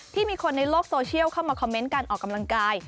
มีคนในโลกโซเชียลเข้ามาคอมเมนต์การออกกำลังกาย